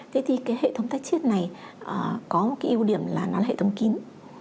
thế thì cái hệ thống tách chết này có một cái ưu điểm là nó là hệ thống kín